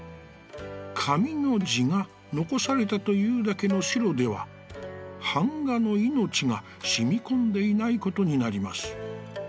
紙の地が残されたというだけの白では、板画の生命がしみこんでいないことになります。